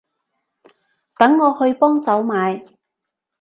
等我去幫手買